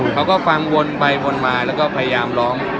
เขาก็ฟังวนไปวนมาแล้วก็พยายามร้อง